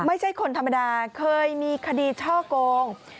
ไม่ใช่คนธรรมดาเคยมีคดีช่อโกง